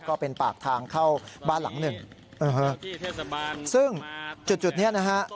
ก็เป็นปากทางเข้าบ้านหลังหนึ่งเออซึ่งจุดจุดเนี้ยนะฮะ